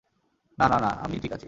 না, না, না, আমি ঠিক আছি।